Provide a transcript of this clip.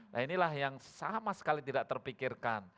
nah inilah yang sama sekali tidak terpikirkan